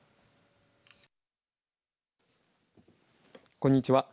こんにちは。